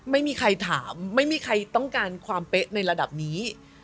ไม่มีใครถามไม่มีใครต้องการความเป๊ะในระดับนี้